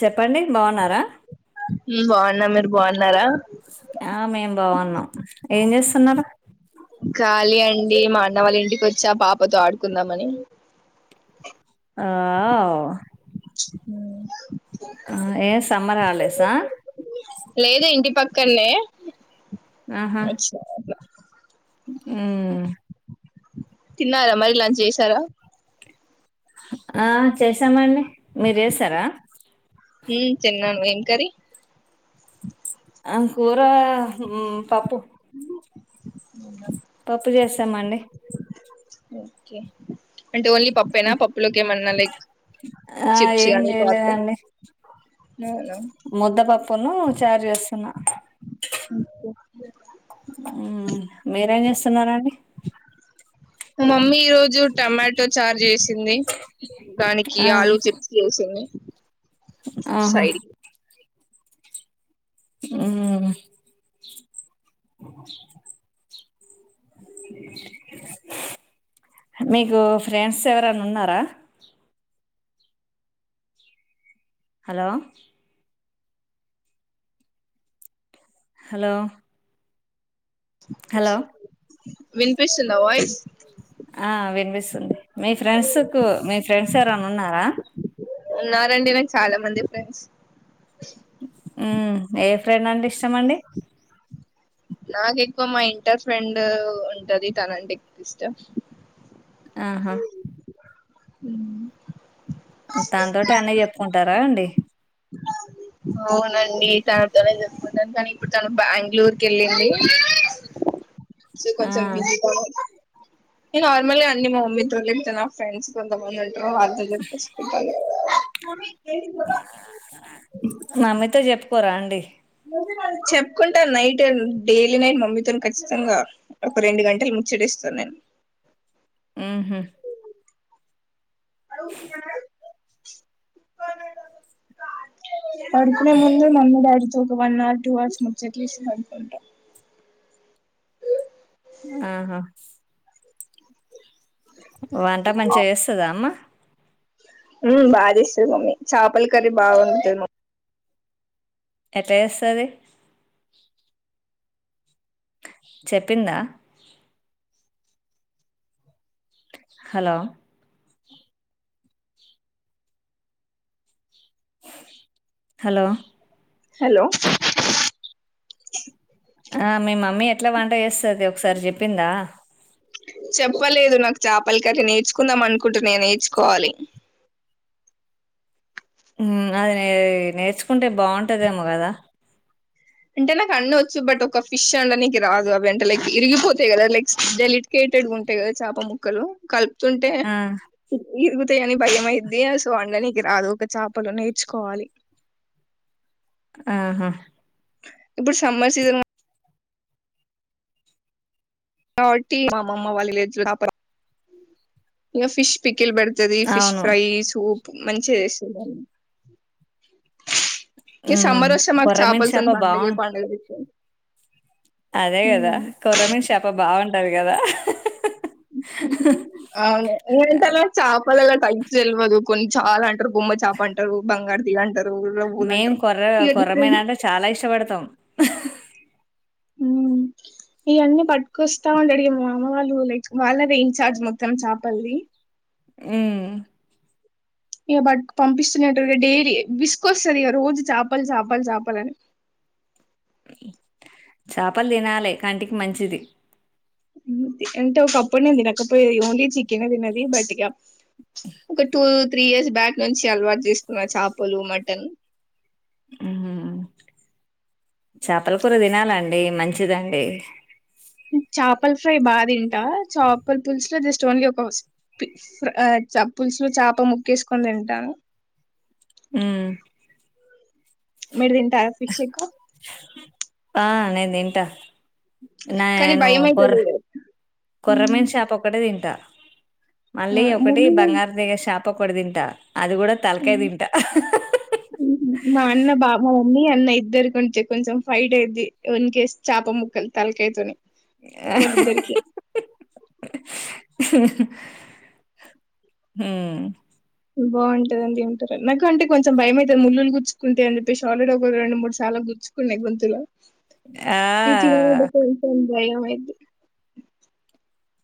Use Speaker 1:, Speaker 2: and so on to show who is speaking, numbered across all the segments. Speaker 1: చెప్పండి బాగున్నారా
Speaker 2: న్నారా
Speaker 1: ఆ మేం బాగున్నాం ఏం చేస్తున్నారు
Speaker 2: ఖాళీ అండి మా అన్న వాళ్ళ ఇంటికి వచ్చా పాపతో ఆడుకుందామని
Speaker 1: ఆ ఆ అవ్
Speaker 2: హ
Speaker 1: ఆ ఏ సమ్మర్ హాలేడేస
Speaker 2: లేదు ఇంటి పక్ కల్లే
Speaker 1: ఆహా
Speaker 2: అచ్చా ల
Speaker 1: ఉమ్
Speaker 2: తిన్నారా మరి లన్చ్ చేసారా
Speaker 1: ఆ చేసామండి మీర్ చేసారా
Speaker 2: ఉమ్ తిన్నాం ఏం కర్రీ
Speaker 1: అ కూర ఉమ్ పప్పు పప్పు చేసమండి
Speaker 2: ఓకే అంటే ఓన్లీ పప్పేనా పప్పులోకి ఏమన్నా లైక్
Speaker 1: ఆ
Speaker 2: చిప్స్
Speaker 1: ఏం
Speaker 2: కానీ పాద్ద
Speaker 1: చేయలేదండి
Speaker 2: అవునా
Speaker 1: ముద్దపప్పును చారు చేస్తున్నా ఉమ్ మీరేం చేస్తున్నారండి
Speaker 2: మా మమ్మీ ఈరోజు టొమాటో చార్ చేసింది దానికి
Speaker 1: ఆ
Speaker 2: ఆలుూ చిప్స్ చేసింది
Speaker 1: ఆహా
Speaker 2: సైరి
Speaker 1: ఉమ్ మీకు ఫ్రెండ్స్ ఎవరన్న ఉన్నారా హలో హలో హలో
Speaker 2: [unintelligible] వినిపిస్తుందా వాయిస్
Speaker 1: ఆ వినిపిస్సున్ది మీ ఫ్రెండ్స్ కు మీ ఫ్రెండ్స్ ఎవరైనా ఉన్నారా
Speaker 2: ఉన్నారండి నాకు చాలా మంది ఫ్రెండ్స్ [inaudible]
Speaker 1: ఊ ఏ ఫ్రెండ్ అంటే ఇష్టం మఅండి
Speaker 2: నాకు ఎక్కువ మా ఇంటర్ ఫ్రెండ్ ఉంటది తనంటే ఎక్కువ ఇష్టం
Speaker 1: ఆహా
Speaker 2: యూ
Speaker 1: తనతోటి అన్ని చెప్పుకుంటారా అండి
Speaker 2: అవునండి తనతోనే చెప్పుకుంటాను కానీ ఇప్పుడు తను బ్యాంగ్ళూరుకి వెళ్ళింది సో
Speaker 1: ఆ
Speaker 2: కొంచెం బిజీగానే నేను నార్మల్ గా అన్నీ మా మమ్మీ తోనే చెప్తా మా ఫ్రెండ్స్ కొంతమంది [unintelligible] మమ్మీ
Speaker 1: మమ్మీ తో చెప్ పొరా అండి
Speaker 2: చెప్పుకుంటా నైటెన్ డైలీ నైట్ మమ్మీతోని ఖచ్చితంగా ఒక రెండు గంటలు ముచ్చడిస్తా నేను
Speaker 1: ఊహూ
Speaker 2: [unintelligible] పడుకునే ముందు మమ్మీ డాడీ ఒక వన్ అవర్ టు అవర్స్ ముచ్చట్లిస్తా అనుకుంటా
Speaker 1: ఆహా వంట మంచిగా చేస్తదా అమ్మ
Speaker 2: ఊ బా చేస్తుది మమ్మీ చేపల కర్రీ బాగుంటది మ
Speaker 1: ఎట్ల చేస్తది చెప్పిందా హలో హలో
Speaker 2: హలో
Speaker 1: ఆ మీ మమ్మీ ఎట్ల వంట చేస్ తది ఒకసారి చెప్పిందా
Speaker 2: చెప్పలేదు నాకు చేపల కర్రీ నేర్చుకుందాం అనుకుంటున్నా నేర్చుకోవాలి
Speaker 1: ఊమ్మ్ అది నే నేర్చుకుంటే బావుంటదేమో కదా
Speaker 2: అంటే నాకు అన్నీ వచ్చు బట్ ఒక ఫిష్ ఒండనీకి రాదు అవి అంటే లైక్ ఇరిగిపోతాయి కదా లైక్స్ డెలిట్ కేటెడ్ గా ఉంటాయి కదా చాప ముక్కలు కల్ తుంటే
Speaker 1: ఆ
Speaker 2: ఇరుగుతాయని భయంమైద్ది సో అండనీకి రాదు ఒక చాపలు నేర్చుకోవాలి
Speaker 1: ఆహా
Speaker 2: ఇప్పుడు సమ్మర్ సీజన్ కాబట్టి మా అమ్మమ్మ వాళ్ళ ఇలేజ్ లో [inaudible] ఫిష్ పి కిల్ బెడతది ఫిష్
Speaker 1: అవును
Speaker 2: ఫ్రై సూప్ మంచిగా చేసు [inaudible] ఇ
Speaker 1: ఉమ్
Speaker 2: సమ్మర్ వస్తే మాకు
Speaker 1: కొర్రమీను
Speaker 2: చాపలతోని
Speaker 1: చేప
Speaker 2: పండగే
Speaker 1: బాగుం
Speaker 2: పండుగ
Speaker 1: అదే కదా కొర్రమీన్ షాప బావున్ టది కదా
Speaker 2: అవును
Speaker 1: ఆహ్,
Speaker 2: ఏంతలో చాపలల [inaudible] జెల్వదు కొన్ని చాలంటరు బొమ్మచాపంటరు బంగారు తీగంటరు
Speaker 1: మేం కొర్ర కొర్రమీనంటే చాలా ఇష్టపడతాం
Speaker 2: ఉమ్మ్ ఇయన్నీ పట్ కుస్తా వండడి మ వాళ్ళు లైక్ వాళ్ళదే ఇన్ఛార్జ్ మొత్తం చాపల్ది
Speaker 1: ఉ
Speaker 2: ఇక బట్ పంపిస్తున్నట్గా డైలీ విసుకొస్తంది ఇక రోజు చేపలు చేపలు చేపాలని
Speaker 1: చాపలు దినాలి కంటికి మంచిది
Speaker 2: అంటే ఒక అప్పుడు నే దినకపోయి ఓన్లీ చికెన్ తినది బట్ ఇక ఒక టూ త్రీ ఇయర్స్ బ్యాక్ నుంచి అలవాటు చేసుకున్న చేపలు మటన్
Speaker 1: చాపల కూర తినాలండి మంచిదండి
Speaker 2: పల్ ఫ్రై బాదింటా చాపల పులుసు లో జస్ట్ ఓన్లీ ఒక పులుసు లో చేప ముక్కేసుకొని దింటా
Speaker 1: ఉ
Speaker 2: మీర్ దింటారా ఫిషెక్కువ
Speaker 1: ఆ నెందింట
Speaker 2: కానీ
Speaker 1: నేను
Speaker 2: భయం
Speaker 1: కొర్ర
Speaker 2: అయితది
Speaker 1: కొర్రమీన్ షాపొక్కటే దింటా మళ్ళీ ఒకటి
Speaker 2: ముళ్ళు
Speaker 1: బంగారు దగ్గర షాప్ పప్పడుదింటా అది గూడా తలకాయ
Speaker 2: ఉమ్,
Speaker 1: దింటా
Speaker 2: అన్నీ అన్న ఇద్దరు కొంటే కొంచెం ఫైట్ అయిద్ది వన్ కేస్ చేప ముక్కలు తలకయితోని వద్దరికి
Speaker 1: హ
Speaker 2: బాగుంటుది అండి అంటరు నాకు అంటే కొంచం భయమయితది ముళ్లులు గుచ్చుకుంటే అని చెప్పేసి ఆల్రెడీ ఒక రెండు మూడు సార్లు గుర్చ్చుకున్నాయి గొంతులో
Speaker 1: ఆ!
Speaker 2: ఇతే బయం అయితది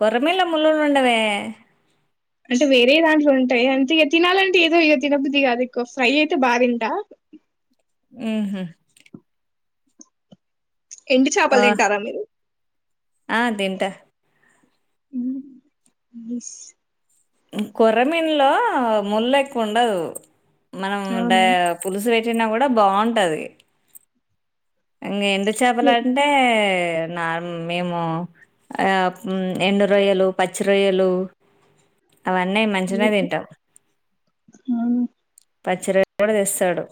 Speaker 1: కొరమీళ్ళ ముల్లులుండవే
Speaker 2: అంటే వేరే దాంట్లో ఉంటాయి అంతే ఇక తినాలంటే ఏదో ఇక తినబది కాదు ఇక్ ఫ్రై అయితే బా తింటా
Speaker 1: ఊహు
Speaker 2: ఎండి చేపలు
Speaker 1: ఓహ్!
Speaker 2: తింటారా మీరు
Speaker 1: ఆ! తింటా.
Speaker 2: ఇ బస్
Speaker 1: కొర్రమీన్లో ముల్లెక్కువ ఉండదు మనం డ
Speaker 2: అవునా
Speaker 1: పులుసు పె చిన గూడా బాగుంటది ఇంగ ఎండు చేపలంటే మేము ఎండు రొయ్యలు పచ్చి రొయ్యలు అవన్నీ మంచిగనే తింటాం. పచ్చి రొయ్యలు గూడా తెస్తాడు.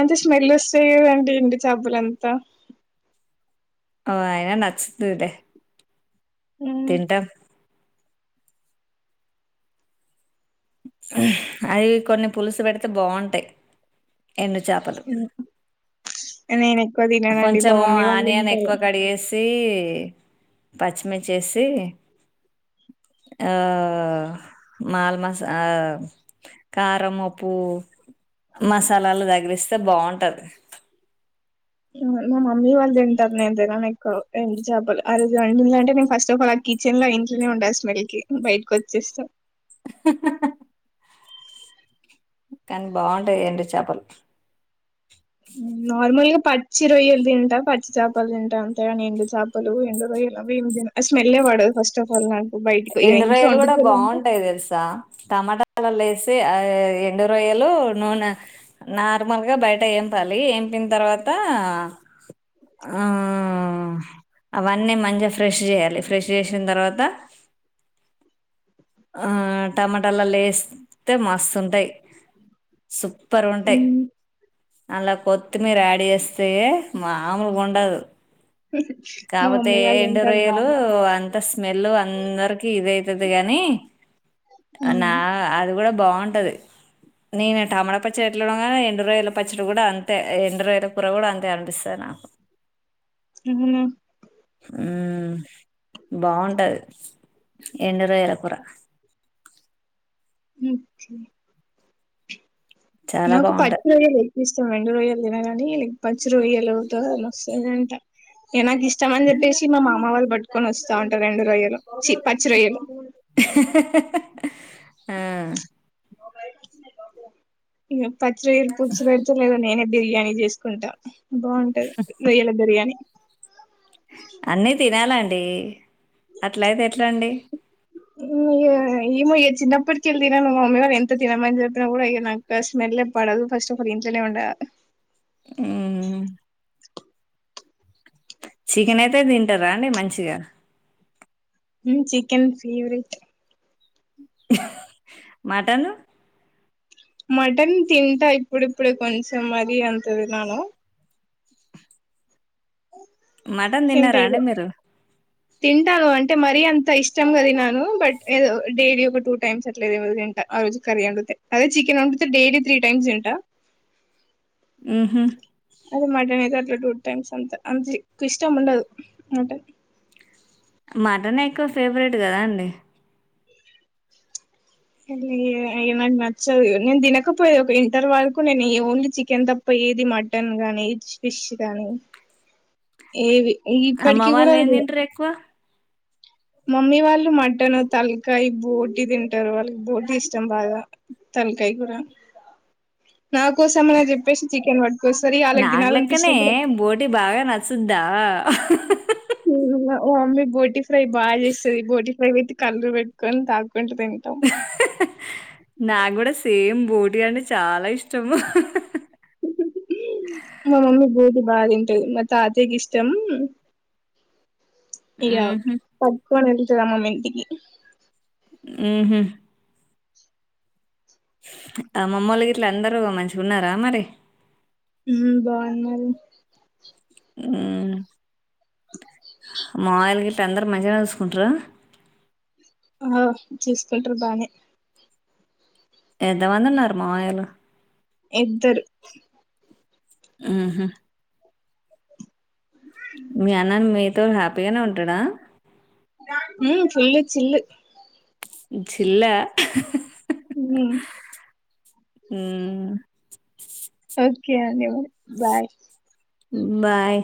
Speaker 2: అంతే స్మెల్ వస్తాయి కదండీ ఎండు చేపలు త
Speaker 1: ఆఓ అయినా నచ్చతదులేే
Speaker 2: ఉమ్.
Speaker 1: తిన్టా అవి కొన్ని పులుసు పెడితే బాగుంటాయి ఎండు చేపలు
Speaker 2: నేను ఎక్కువ తిననండి మా
Speaker 1: కొంచెము
Speaker 2: మమ్మీ వాళ్ళు
Speaker 1: ఆనియన్
Speaker 2: తింటారు
Speaker 1: ఎక్కువ కడిగేసి పచ్చిమిర్చేసి ఆ కారం ఉప్పు మసాలాలు తగిలిస్తే బాగుంటది
Speaker 2: మా మమ్మీ వాళ్ళు తింటారు నేను తినను ఎక్కువ రండు చేపలు ఆ రోజు రండు అంటే నేను ఫస్ట్ ఆఫ్ ఆల్ ఆ కిచెన్ లో ఇంట్లోనే ఉండాలి స్మెల్ కి బయటకి వచ్చేస్త
Speaker 1: హహ కానీ బాగుంటాయి ఏండు చేపలు
Speaker 2: నార్మల్గ పచ్చి రొయ్యలు తింట పచ్చి చేపలు తింటా అంతే కానీ ఎండు చేపలు ఎండు రొయ్యలు అవి స్మెల్ఎ పడదు ఫస్ట్ ఆఫ్ ఆల్ నా
Speaker 1: ఎండురోయలు కూడా బాగుంటాయి తెలుసా టమాటా ల లేసి ఆ ఎండు రొయ్యలు నూనె నార్మల్గా బయట ఏంపాలి వంపిన తర్వాత ఆ అవన్నీ మంచిగా ఫ్రెష్ చేయాలి ఫ్రెష్ చేసిన తర్వాత ఆ టమాటాల లేస్తే మస్తుంటాయి సుక్ ప్పరుంటాయ్ అలా కొత్తిమీర యాడ్ చేస్తే మామూలుగుండదు.
Speaker 2: మా
Speaker 1: కాకపోతే
Speaker 2: మమ్మీ వాళ్ళు
Speaker 1: ఎండు
Speaker 2: తింటారు
Speaker 1: రొయ్యలు
Speaker 2: బాగా
Speaker 1: అంత స్మెల్ అందరికి ఇదే ద్దది గాని నా అది కూడా బాగుంటది నేను టమాటా పచ్చడి ఎట్లు కానీ ఎండు రోయల పచ్చడి కూడా అంతే ఎండు రోయుల కూర కూడా అంతే అనిపిస్తది నాకు
Speaker 2: అ
Speaker 1: ఉమ్ బాగుంటది ఎండు రొయ్యల కూర
Speaker 2: అక
Speaker 1: చాలా
Speaker 2: నాకు పట్
Speaker 1: బావుంటది.
Speaker 2: మం రెండు రొయ్యలు తినగాని లే పచ్చి రొయ్యలు వస్తుందంట ఇగ నాకు ఇష్టం అని చెప్పేసి మా మామ వాళ్ళు పట్టుకొని వస్తా ఉంటారు రెండు రొయ్యలు చ్చి పచ్చి రొయ్యలు
Speaker 1: ఉమ్ ఆ
Speaker 2: ఇ పచ్చి వరు పుచ్చి పెర్చలేదు నేను బిర్యానీ చేసుకుంటాం. బాగుంటది రోయ్యల బిర్యానీ
Speaker 1: అన్నీ తినాలండి అట్లయితే ఎట్లా అండి.
Speaker 2: ఏమో చిన్నప్పటికెళ్ళి తినాను ను మమ్మీ వాారు ఎంత తినమని చెప్పినా కూడా ఇ నాకు స్మెల్ పడదు ఫస్ట్ ఆఫ్ ఆల్ ఇంట్లనే ఉండ
Speaker 1: హ చికెన్ అయితే తింటారా అండి మంచిగా
Speaker 2: చికెన్ ఫేవరెట్
Speaker 1: మటను
Speaker 2: మటన్ తింటా ఇప్పుడిప్పుడే కొంచం మరి అంత తినను
Speaker 1: మటన్
Speaker 2: తింటా
Speaker 1: తిన్నారా
Speaker 2: ఏదో
Speaker 1: అండి మీరు
Speaker 2: తింటాను అంటే మరీ అంత ఇష్టంగా తినను బట్ ఏదో డైలీ ఒక టూ టైమ్స్ అట్ల ఏమో తింటా ఆ రోజు కర్రీ వండుతే అదే చికెన్ వండితే డైలీ త్రీ టైమ్స్ తింటా
Speaker 1: హుహు.
Speaker 2: అది మటని త టూ టైమ్స్ అంత అంత ఇష్టం ఉండదు అంట
Speaker 1: మటన్ ఎక్కువ ఫేవరెట్ కదా అండి
Speaker 2: ఆది అయ నాకు నచ్చదు నేను తినకపోయది ఒక ఇంటర్ వరకు నేను ఓన్లీ చికెన్ తప్ప ఏది మటన్ గాని ఫిష్ గాని ఏవి
Speaker 1: అమ్మ
Speaker 2: ఇప్పటికి
Speaker 1: వాళ్ళు
Speaker 2: కూడాడ
Speaker 1: ఏం
Speaker 2: అ
Speaker 1: తింటరు ఎక్కువ?
Speaker 2: మమ్మీ వాళ్ళు మటన్ తలకాయ బోటీ తింటారు వాళ్ళకి బోటీ ఇష్టం బాగా తలకాయ కూడా నా కోసమైనా చెప్పేసి చికెన్ పట్టుకోస్తరి వాలాళగ
Speaker 1: నాకు
Speaker 2: తినాల అనిపిస్తుినప్పుడు
Speaker 1: ద
Speaker 2: ఓ అమ్మీ బోటి ఫ్రై బాగా చేస్తుంది బోటి ఫ్రై అయితే కళు పెట్టుకొని తాకు పింట తని త
Speaker 1: నాకుూ సేమ్ బోటీ అంటే చాలా ఇష్టము
Speaker 2: మా మమ్మీ బోటీ బాగా తింటది మా తాత్యకి ఇష్టం అయ్య
Speaker 1: హుహు.
Speaker 2: పడుకున దమ మంటికి
Speaker 1: ఆహ ఆ మామ్మూళ్లు గ ఇట్ల అందరూ మంచిగా ఉన్నారా మరి
Speaker 2: బాగు అన్నారుారు
Speaker 1: హ మాయిలు గట్ అందరు మంచిగా చూసుకుంటారు
Speaker 2: ఆ చూస్కోంట్ర బానే
Speaker 1: ఎద వందన్నారు మాయలు
Speaker 2: ఇద్దరు
Speaker 1: ఆహ ఎంతో హ్యాపీగానే ఉంటాడా
Speaker 2: ఉ ఫుల్ చిల్
Speaker 1: చిల్లా
Speaker 2: హ
Speaker 1: హ
Speaker 2: ఓకే అ బాయ
Speaker 1: బాయ్